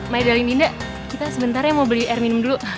maeda dan indra kita sebentar mau beli air minum dulu